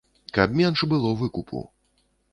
Каб менш было выкупу.